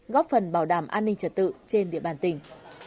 góp phần bảo đảm an ninh trật tự trên địa bàn tỉnh